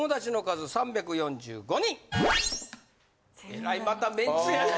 えらいまたメンツやな。